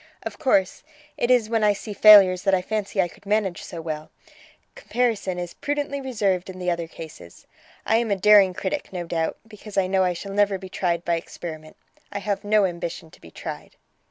Of course, it is when I see failures that I fancy I could manage so well: comparison is prudently reserved in the other cases. I am a daring critic, no doubt, because I know I shall never be tried by experiment. I have no ambition to be tried."